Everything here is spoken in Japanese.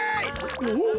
おっ！